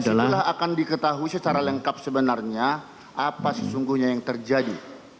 dan dari sebetulnya akan diketahui secara lengkap sebenarnya apa sesungguhnya yang terjadi